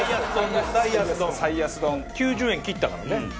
９０円切ったからね。